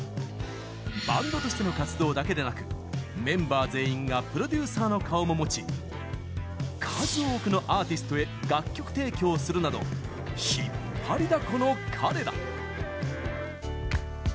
バンドとしての活動だけでなくメンバー全員がプロデューサーの顔も持ち数多くのアーティストへ楽曲提供するなど引っ張りだこの彼ら。